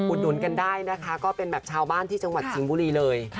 หนุนกันได้นะคะก็เป็นแบบชาวบ้านที่จังหวัดสิงห์บุรีเลย